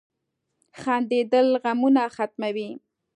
• خندېدل غمونه ختموي.